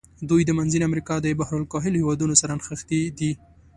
دوی د منځني امریکا د بحر الکاهل هېوادونو سره نښتي دي.